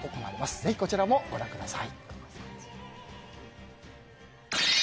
ぜひこちらもご覧ください。